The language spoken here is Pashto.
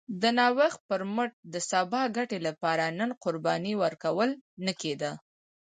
د نوښت پر مټ د سبا ګټې لپاره نن قرباني ورکول نه کېده